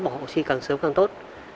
hồ si càng sớm càng tốt